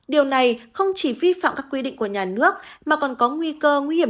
điều này không chỉ vi phạm các quy định của nhà nước mà còn có nguy cơ nguy hiểm